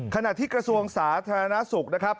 ขณะที่กระทรวงสาธารณสุขนะครับ